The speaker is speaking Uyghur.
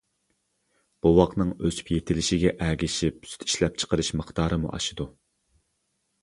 بوۋاقنىڭ ئۆسۈپ يېتىلىشىگە ئەگىشىپ سۈت ئىشلەپچىقىرىش مىقدارىمۇ ئاشىدۇ.